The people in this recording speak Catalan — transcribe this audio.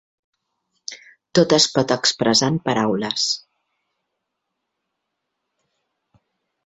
Tot es pot expressar amb paraules.